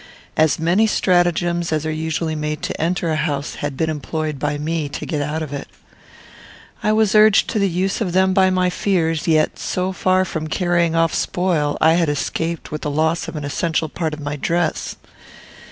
As many stratagems as are usually made to enter a house had been employed by me to get out of it. I was urged to the use of them by my fears; yet, so far from carrying off spoil, I had escaped with the loss of an essential part of my dress.